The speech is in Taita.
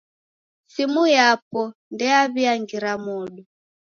Simu yapo ndeyaw'iangira modo.